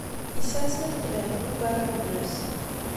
Yesɛa snat n tmerwin n warraw-nnes.